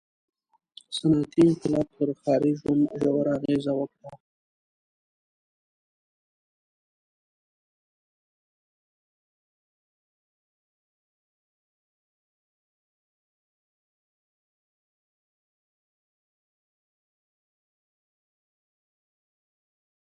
• صنعتي انقلاب پر ښاري ژوند ژوره اغېزه وکړه.